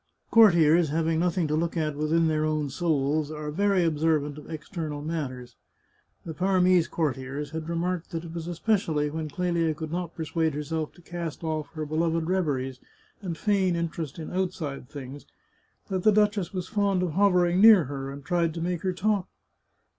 Courtiers, having nothing to look at within their own souls, are very observant of external matters. The Par mese courtiers had remarked that it was especially when Clelia could not persuade herself to cast off her beloved reveries, and feign interest in outside things, that the duchess was fond of hovering near her, and tried to make her talk.